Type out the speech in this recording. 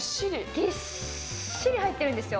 ぎっしり入ってるんですよ。